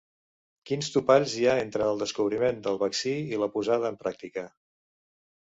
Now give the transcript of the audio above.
Quins topalls hi ha entre el descobriment del vaccí i la posada en pràctica?